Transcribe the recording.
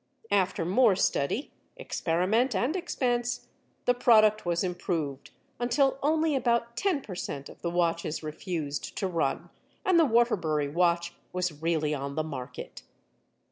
After more study, experiment, and expense, the product was improved until only about ten per cent of the watches refused to run, and the Waterbury watch was really on the market.